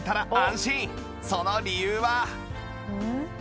その理由は